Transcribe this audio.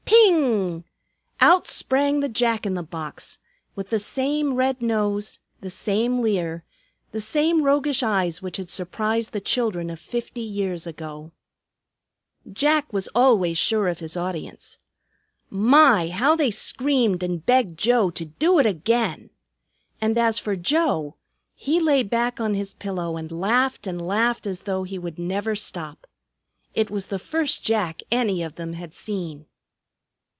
Ping! Out sprang the Jack in the box, with the same red nose, the same leer, the same roguish eyes which had surprised the children of fifty years ago. [Illustration: PING! OUT SPRANG THE JACK IN THE BOX] Jack was always sure of his audience. My! How they screamed and begged Joe to "do it again." And as for Joe, he lay back on his pillow and laughed and laughed as though he would never stop. It was the first Jack any of them had seen.